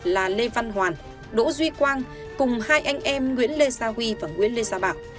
là lê văn hoàn đỗ duy quang cùng hai anh em nguyễn lê sa huy và nguyễn lê gia bảo